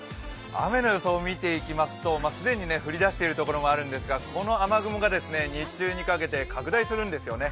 雨の予想を見ていきますと、既に降り出しているところもあるんですがこの雨雲が日中にかけて拡大するんですよね。